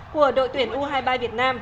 của đội tuyển u hai mươi ba việt nam